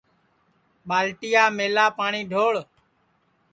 ٻالٹیا میلا پاٹؔی ڈھوڑ